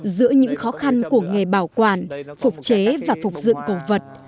giữa những khó khăn của nghề bảo quản phục chế và phục dựng cổ vật